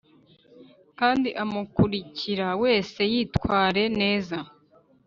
kandi umukurikira wese yitware neza